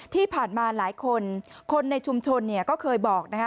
ที่ผ่านมาหลายคนคนในชุมชนเนี่ยก็เคยบอกนะคะ